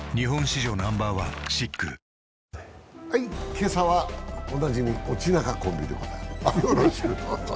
今朝はおなじみオチナカコンビでございます。